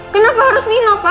kenapa harus nino pak